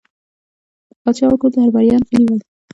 پاچا او ټول درباريان غلي ول.